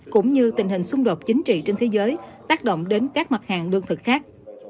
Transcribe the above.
cũng như tình hình xung đột chính trị trên thế giới tác động đến các mặt hàng đương thực khác